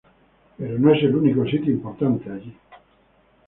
Pero no es el único sitio importante allí.